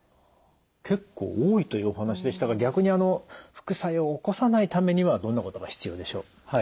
結構多いというお話でしたが逆にあの副作用を起こさないためにはどんなことが必要でしょう？